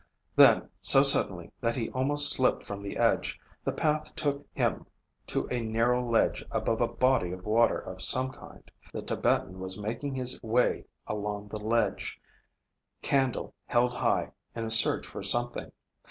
Then, so suddenly that he almost slipped from the edge, the path took him to a narrow ledge above a body of water of some kind. The Tibetan was making his way along the ledge, candle held high in a search for something.